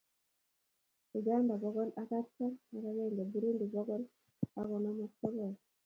Uganda bogol ak artam ak aeng Burundi bogol ak konom ak sogol